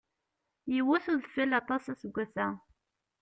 Yewwet udeffel aṭaṣ aseggas-a.